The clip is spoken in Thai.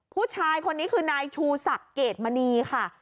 ผู้ชายคนนี้คือนายชูศักดิ์เกรดมณีค่ะ